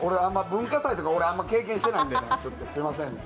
文化祭とか俺、あまり経験してないのでね、すみませんね。